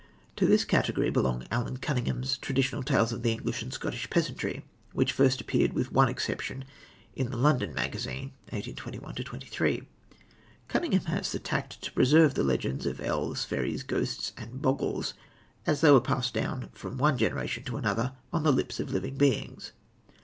To this category belong Allan Cunningham's Traditional Tales of the English and Scottish Peasantry, which first appeared, with one exception, in the London Magazine (1821 23). Cunningham has the tact to preserve the legends of elves, fairies, ghosts and bogles, as they were passed down from one generation to another on the lips of living beings.